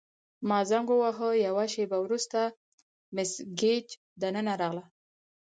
ما زنګ وواهه، یوه شیبه وروسته مس ګیج دننه راغله.